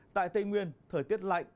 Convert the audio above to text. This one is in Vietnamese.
tại tây nguyên thời tiết lạnh